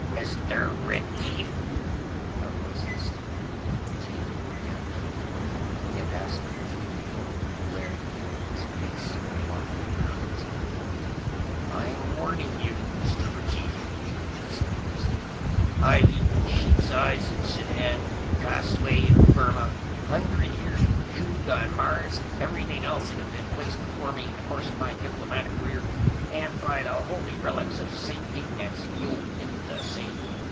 "Mr. Retief!" a voice hissed. Retief looked down at the table. The ambassador was leaning forward, glaring at him, his face a mottled crimson. "I'm warning you, Mr. Retief," he said hoarsely. "I've eaten sheep's eyes in the Sudan, ka swe in Burma, hundred year cug on Mars and everything else that has been placed before me in the course of my diplomatic career. And, by the holy relics of Saint Ignatz, you'll do the same!"